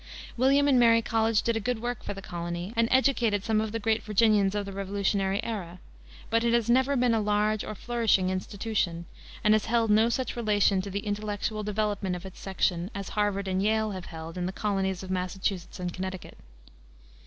William and Mary College did a good work for the colony, and educated some of the great Virginians of the Revolutionary era, but it has never been a large or flourishing institution, and has held no such relation to the intellectual development of its section as Harvard and Yale have held in the colonies of Massachusetts and Connecticut.